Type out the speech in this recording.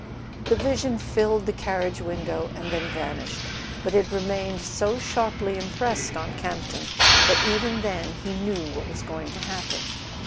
The vision filled the carriage window and then van¬ ished; but it remained so sharply impressed on Camp ton that even then he knew what was going to happen.